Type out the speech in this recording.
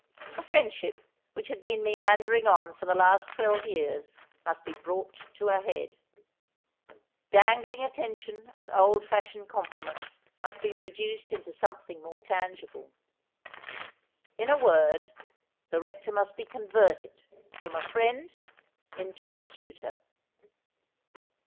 A friendship which had been meandering on for the last twelve years must be brought to a head ; dangling attention and old fashioned compliments must be reduced into something more tangible. In a word, the Rector must be converted from a friend into a suitor.